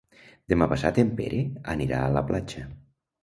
Demà passat en Pere anirà a la platja.